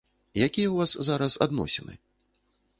Якія ў вас зараз адносіны?